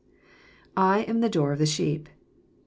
[lam the door of the sheep.